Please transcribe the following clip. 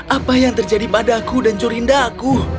apa yang terjadi padaku dan jorindaku